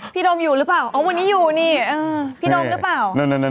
โดมอยู่หรือเปล่าอ๋อวันนี้อยู่นี่พี่ดมหรือเปล่า